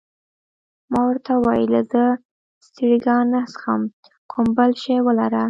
ما ورته وویل: زه سټریګا نه څښم، کوم بل شی ولره.